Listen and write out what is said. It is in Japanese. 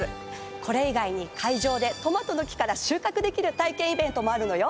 これ以外に会場でトマトの木から収穫できる体験イベントもあるのよ。